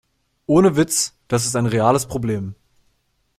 Ohne Witz, das ist ein reales Problem.